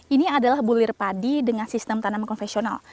ini adalah bulir padi dengan sistem tanaman konvensional